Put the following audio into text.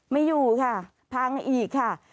ไม่อยู่ค่ะพังอีกค่ะ